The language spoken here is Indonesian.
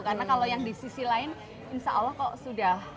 karena kalau yang di sisi lain insya allah kok sudah